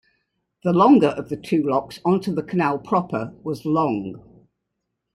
The longer of the two locks onto the canal proper was long.